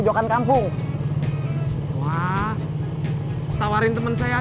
jadi gini bu ceritanya